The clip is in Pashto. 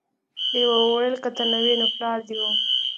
لیوه وویل که ته نه وې نو پلار دې و.